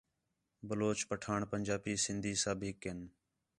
بلوچ، پٹھاݨ، پنجابی، سندھی سب ہِک ہین